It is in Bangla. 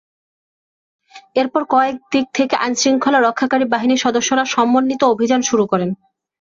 এরপর কয়েক দিক থেকে আইনশৃঙ্খলা রক্ষাকারী বাহিনীর সদস্যরা সমন্বিত অভিযান শুরু করেন।